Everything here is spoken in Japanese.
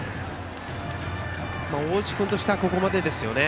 大内君としてはここまでですよね。